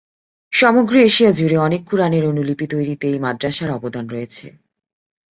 সমগ্র এশিয়া জুড়ে অনেক কুরআনের অনুলিপি তৈরিতে এই মাদ্রাসার অবদান রয়েছে।